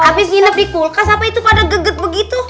habis nginep di kulkas apa itu pada geget begitu